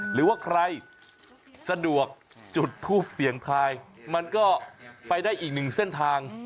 หรือว่าใครสะดวกจุดทูปเสียงทายมันก็ไปได้อีกหนึ่งเส้นทาง